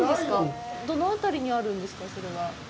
どの辺りにあるんですか、それは？